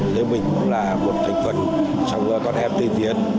nếu mình cũng là một thành phần trong con em tây tiến